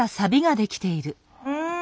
うん。